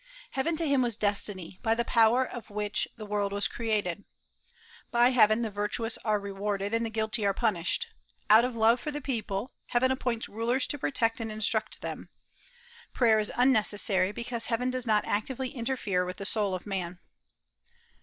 Heaven to him was Destiny, by the power of which the world was created. By Heaven the virtuous are rewarded, and the guilty are punished. Out of love for the people, Heaven appoints rulers to protect and instruct them. Prayer is unnecessary, because Heaven does not actively interfere with the soul of man.